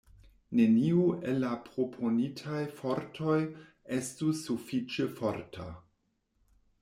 Neniu el la proponitaj fortoj estus sufiĉe forta.